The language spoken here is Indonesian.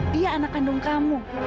dia anak kandung kamu